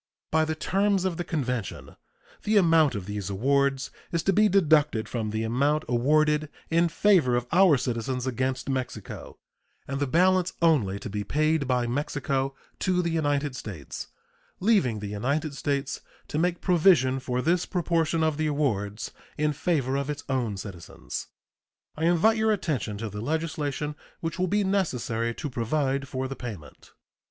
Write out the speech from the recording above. By the terms of the convention the amount of these awards is to be deducted from the amount awarded in favor of our citizens against Mexico, and the balance only to be paid by Mexico to the United States, leaving the United States to make provision for this proportion of the awards in favor of its own citizens. I invite your attention to the legislation which will be necessary to provide for the payment.